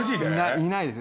いないです